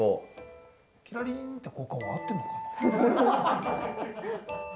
キラリンって効果音は合ってんのかな？